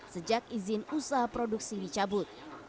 sejak izin usaha produksi dicabut